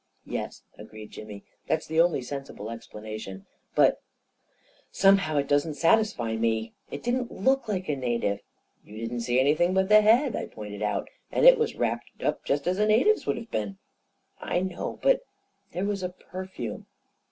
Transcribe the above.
" Yes," agreed Jimmy; "that's the only sensible explanation — but somehow it doesn't satisfy me. It didn't look like a native." " You 'didn't see anything but the head," I pointed out, " and that was wrapped up just as a native's would have been." " I know — but there was a perfume